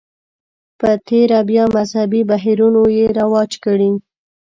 په تېره بیا مذهبي بهیرونو یې رواج کړي.